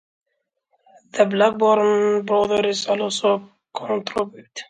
The Blackburn brothers also contributed.